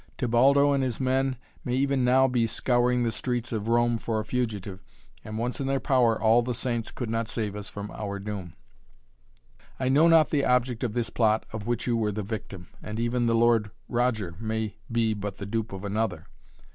Tebaldo and his men may even now be scouring the streets of Rome for a fugitive, and once in their power all the saints could not save us from our doom. I know not the object of this plot of which you were the victim, and even the Lord Roger may be but the dupe of another.